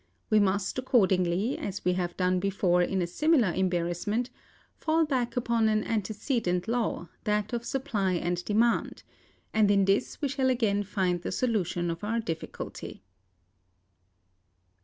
We must accordingly, as we have done before in a similar embarrassment, fall back upon an antecedent law, that of supply and demand; and in this we shall again find the solution of our difficulty.